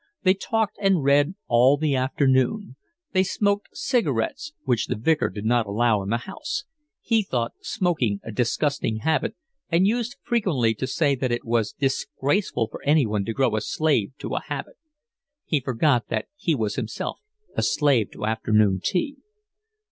They talked and read all the afternoon. They smoked cigarettes, which the Vicar did not allow in the house; he thought smoking a disgusting habit, and used frequently to say that it was disgraceful for anyone to grow a slave to a habit. He forgot that he was himself a slave to afternoon tea.